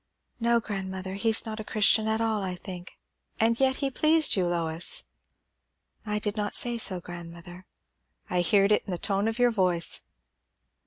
"No, grandmother. He is not a Christian at all, I think." "And yet he pleased you, Lois?" "I did not say so, grandmother." "I heerd it in the tone of your voice."